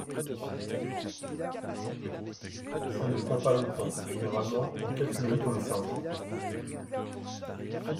Ça ne prend pas longtemps, généralement en quelques minutes on est servi.